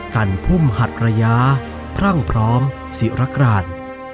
กันพุ่มหัดระยะพรั่งพร้อมศิรกราน